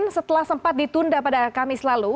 setelah sempat ditunda pada kamis lalu